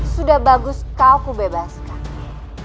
sudah bagus kau ku bebaskan